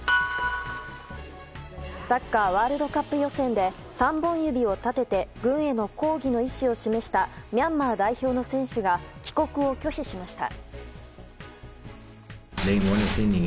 サッカーワールドカップ予選で３本指を立てて軍への抗議の意思を示したミャンマー代表の選手が帰国を拒否しました。